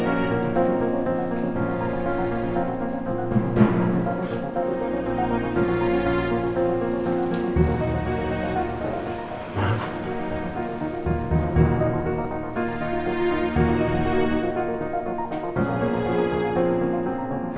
apa kamu masih mau mendesak aku